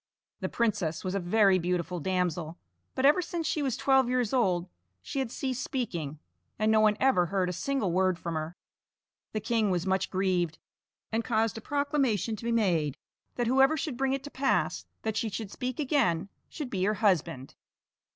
The princess was a very beautiful damsel, but ever since she was twelve years old she had ceased speaking, and no one ever heard a single word from her. The king was much grieved, and caused a proclamation to be made that whoever should bring it to pass that she should speak again, should be her husband.